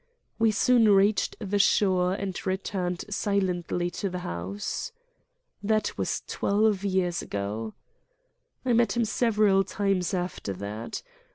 We soon reached the shore and returned silently to the house. That was twelve years ago. I met him several times after that.